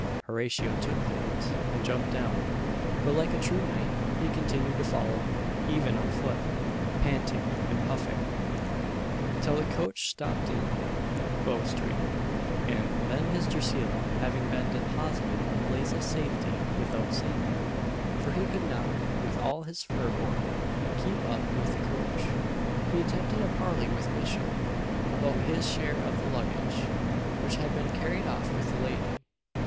Horatio took the hint and jumped down; but, like a true knight, he continued to follow, even on foot, panting and puffing, till the coach stopped in Bow street; and then his Drusilla having been deposited in a place of safety, without seeing him for he could not, with all his fervour, keep up with the coach he attempted a parley with Bishop, about his share of the luggage, which had been carried off with the lady.